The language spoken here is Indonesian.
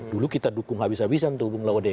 dulu kita dukung habis habisan tuh bung laode